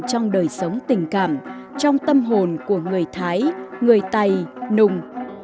trong đời sống tình cảm trong tâm hồn của người thái người tày nùng